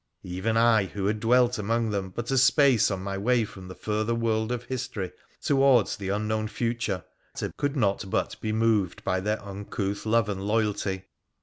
Even I, who had dwelt among them but a space on my way from the further world of history towards the unknown loa WONDERFUL ADVENTURES OF future, could not but be moved by their uncouth love and loyalty.